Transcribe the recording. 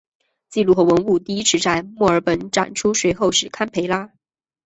记录和文物第一次在墨尔本展出随后是堪培拉。